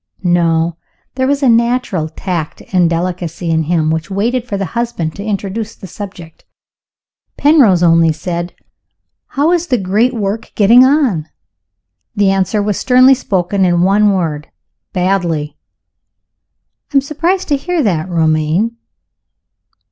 _ No. There was a natural tact and delicacy in him which waited for the husband to introduce the subject.) Penrose only said, "How is the great work getting on?" The answer was sternly spoken in one word "Badly!" "I am surprised to hear that, Romayne."